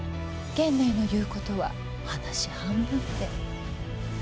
源内の言うことは話半分で。